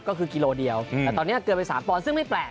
ก็คือกิโลเดียวแต่ตอนนี้เกินไป๓ปอนด์ซึ่งไม่แปลก